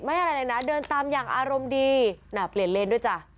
อะไรเลยนะเดินตามอย่างอารมณ์ดีน่ะเปลี่ยนเลนด้วยจ้ะ